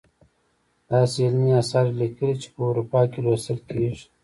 داسې علمي اثار یې لیکلي چې په اروپا کې لوستل کیږي.